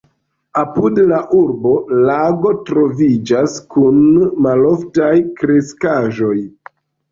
Apud la urbo lago troviĝas kun maloftaj kreskaĵoj.